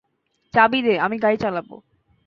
চাবি দে, আমি গাড়ি চালাবো।